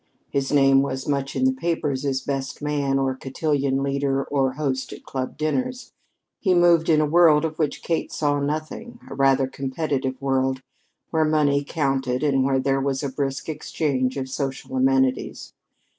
His name was much in the papers as "best man" or cotillion leader or host at club dinners. He moved in a world of which Kate saw nothing a rather competitive world, where money counted and where there was a brisk exchange of social amenities.